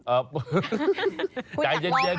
เอ่อคุณอยากลองไหม